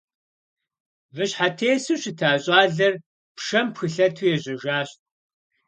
Выщхьэтесу щыта щӀалэр пшэм пхылъэту ежьэжащ.